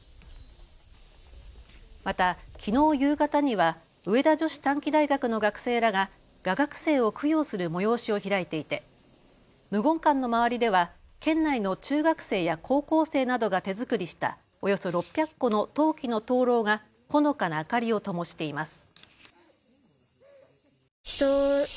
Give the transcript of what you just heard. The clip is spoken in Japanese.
また、きのう夕方には上田女子短期大学の学生らが画学生を供養する催しを開いていて無言館の周りでは県内の中学生や高校生などが手作りしたおよそ６００個の陶器の灯籠がほのかな明かりをともしています。